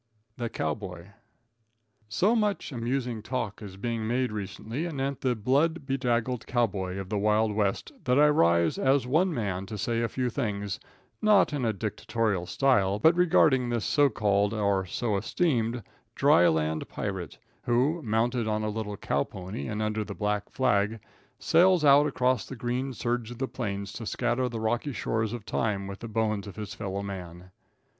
The Cow Boy. So much amusing talk is being made recently anent the blood bedraggled cow boy of the wild West, that I rise as one man to say a few things, not in a dictatorial style, but regarding this so called or so esteemed dry land pirate who, mounted on a little cow pony and under the black flag, sails out across the green surge of the plains to scatter the rocky shores of Time with the bones of his fellow man.